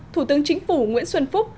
thủ tướng chính phủ nguyễn xuân phúc